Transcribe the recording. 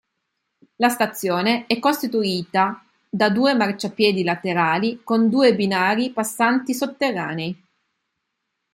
La stazione è costituita da due marciapiedi laterali con due binari passanti sotterranei.